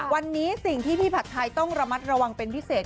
วันนี้สิ่งที่พี่ผัดไทยต้องระมัดระวังเป็นพิเศษ